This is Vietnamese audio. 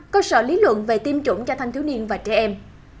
cơ sở lý luận về tiêm chủng cho thanh thiếu niên và trẻ em